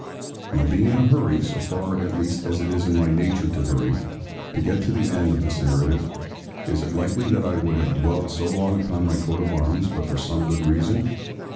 Now being in a hurry so far at least as it is in my nature to hurry to get to the end of this narrative, is it likely that I would have dwelled so long upon my coat of arms, but for some good reason?